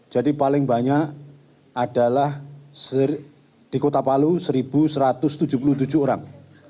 jadi paling banyak adalah di kota palu satu satu ratus tujuh puluh tujuh orang